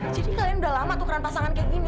jadi kalian udah lama tukeran pasangan kayak gini